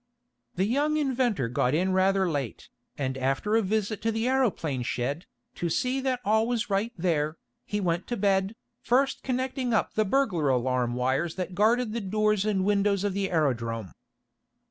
The young inventor got in rather late, and after a visit to the aeroplane shed, to see that all was right there, he went to bed, first connecting up the burglar alarm wires that guarded the doors and windows of the aerodrome.